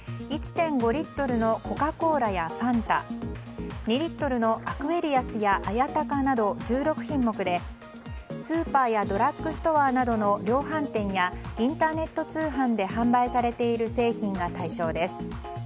１．５リットルのコカ・コーラやファンタ２リットルのアクエリアスや綾鷹など１６品目でスーパーやドラッグストアなどの量販店やインターネット通販で販売されている製品が対象です。